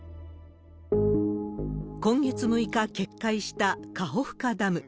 今月６日決壊したカホフカダム。